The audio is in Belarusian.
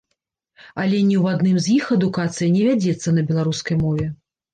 Але ні ў адным з іх адукацыя не вядзецца на беларускай мове.